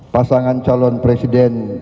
pasangan calon presiden